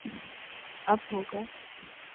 اب ہو گا